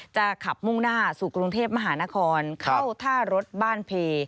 จะขับมุ่งหน้าสู่กรุงเทพมหานครเข้าท่ารถบ้านเพ